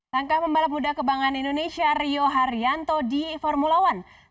langkah pembalap muda kebanggaan indonesia rio haryanto di formula one